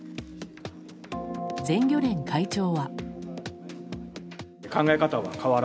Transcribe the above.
全漁連会長は。